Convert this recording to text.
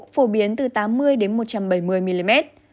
phổ biến từ tám mươi một trăm bảy mươi mm